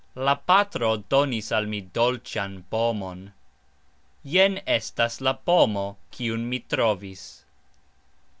La patro donis al mi dolcxan pomon. Jen estas la pomo, kiun mi trovis.